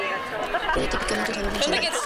Tiene típicamente un sabor muy salado.